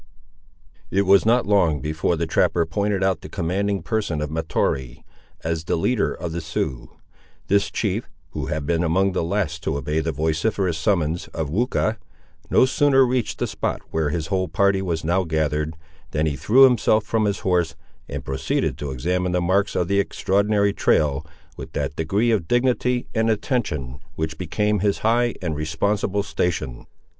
It was not long before the trapper pointed out the commanding person of Mahtoree, as the leader of the Siouxes. This chief, who had been among the last to obey the vociferous summons of Weucha, no sooner reached the spot where his whole party was now gathered, than he threw himself from his horse, and proceeded to examine the marks of the extraordinary trail, with that degree of dignity and attention which became his high and responsible station.